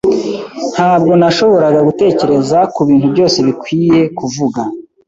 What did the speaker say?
Ntabwo nashoboraga gutekereza kubintu byose bikwiye kuvuga.